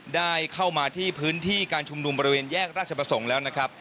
ได้เข้ามาที่พื้นที่การชุมนุมบริเวณแยกราชประสงค์